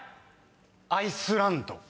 「アイスランド」